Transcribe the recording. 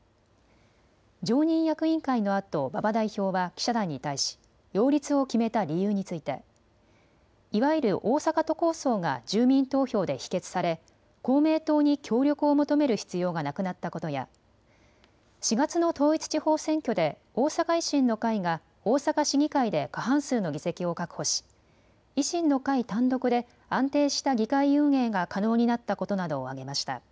常任役員会のあと馬場代表は記者団に対し擁立を決めた理由について、いわゆる大阪都構想が住民投票で否決され公明党に協力を求める必要がなくなったことや４月の統一地方選挙で大阪維新の会が大阪市議会で過半数の議席を確保し維新の会単独で安定した議会運営が可能になったことなどを挙げました。